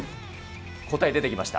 答え出てきました。